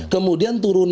kemudian turun lagi